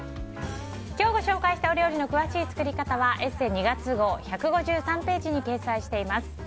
今日ご紹介した料理の詳しい作り方は「ＥＳＳＥ」２月号１５３ページに掲載しています。